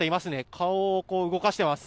顔を動かしています。